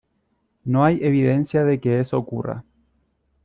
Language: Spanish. no hay evidencia de que eso ocurra.